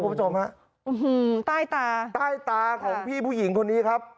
คุณผู้ชมฮะอื้อหือใต้ตาใต้ตาของพี่ผู้หญิงคนนี้ครับ